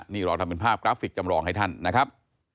นี่เราทำเป็นภาพกราฟิกจำลองให้ท่านนะครับ